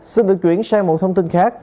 xin được chuyển sang một thông tin khác